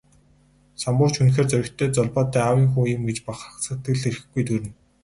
Самбуу ч үнэхээр зоригтой, золбоотой аавын хүү юм гэж бахархах сэтгэл эрхгүй төрнө.